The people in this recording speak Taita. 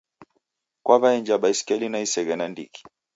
Kwawe'enja baisikeli na iseghe nandighi